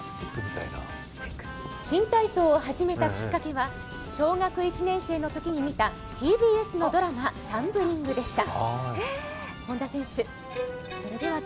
新体操を始めたきっかけは小学１年生のときに見た、ＴＢＳのドラマ「タンブリング」でした。